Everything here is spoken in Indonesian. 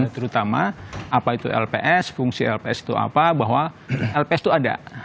terutama apa itu lps fungsi lps itu apa bahwa lps itu ada